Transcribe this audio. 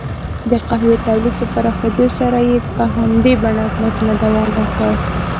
د قهوې تولید په پراخېدو سره یې په همدې بڼه حکومتونو دوام وکړ.